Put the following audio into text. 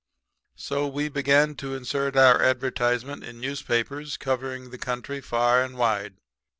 "So, we began to insert our advertisement in newspapers covering the country far and wide.